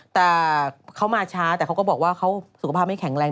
แต่เขามาช้าแต่เขาก็บอกว่าเขาสุขภาพไม่แข็งแรง